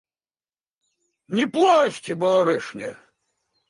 Не плачьте, барышня!